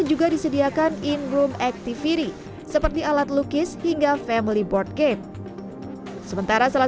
juga disediakan in room activity seperti alat lukis hingga family board game sementara salah